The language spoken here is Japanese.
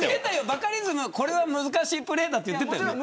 バカリズム、これは難しいプレーと言っていたよね。